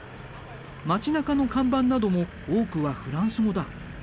町なかの看板なども多くはフランス語だ。